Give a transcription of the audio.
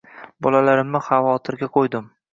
Bolalarimni xavotirga qo`ydim